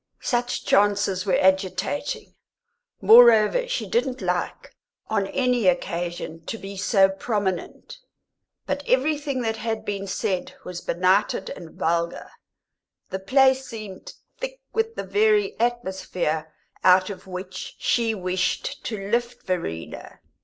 Such chances were agitating; moreover, she didn't like, on any occasion, to be so prominent. But everything that had been said was benighted and vulgar; the place seemed thick with the very atmosphere out of which she wished to lift Verena.